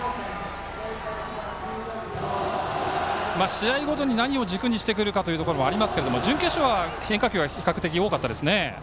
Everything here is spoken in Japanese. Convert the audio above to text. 試合ごとに何を軸にしてくるかというところもありますが準決勝は変化球が比較的、多かったですね。